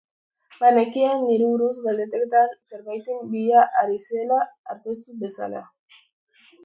Banekien niri buruz galdeketan zerbaiten bila ari zela, aztertuz bezala.